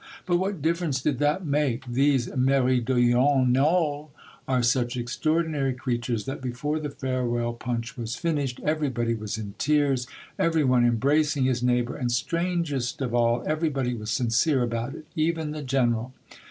But what difference did that make ? These niMdionattx are such extraordinary creatures that before the farewell punch was fin ished everybody was in tears, every one embracing his neighbor, and, strangest of all, everybody was sincere about it, even the general.